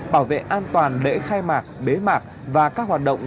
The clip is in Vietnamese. bảo vệ an toàn lễ khai mạc bế mạc và các hoạt động